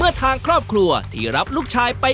เมื่อทางครอบครัวที่รับลูกชายไปอุปการะ